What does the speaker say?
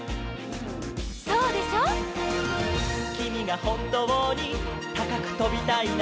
「きみがほんとうにたかくとびたいなら」